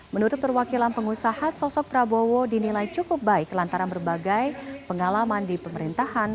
menurut perwakilan pengusaha sosok prabowo dinilai cukup baik lantaran berbagai pengalaman di pemerintahan